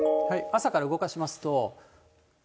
朝から動かしますと。